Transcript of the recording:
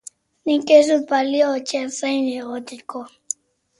Nik ez dut balio etxean zain egoteko.